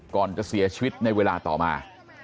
ก่อนจะเสียชีวิตในเวลาต่อมา